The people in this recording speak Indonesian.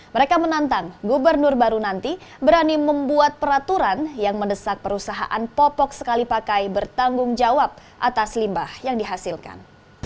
mereka menantang gubernur baru nanti berani membuat peraturan yang mendesak perusahaan popok sekali pakai bertanggung jawab atas limbah yang dihasilkan